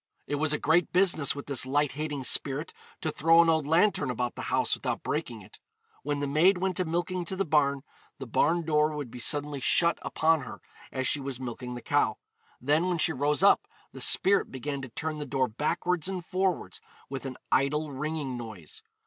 'It was a great business with this light hating spirit to throw an old lanthorn about the house without breaking it.' When the maid went a milking to the barn, the barn door would be suddenly shut upon her as she was milking the cow; then when she rose up the spirit began to turn the door backwards and forwards with an idle ringing noise.